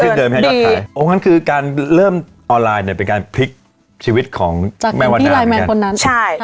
เพราะฉะนั้นคือการเริ่มออนไลน์เนี้ยเป็นการพลิกชีวิตของจากกับพี่ไลน์แมนคนนั้นใช่